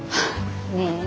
ねえ。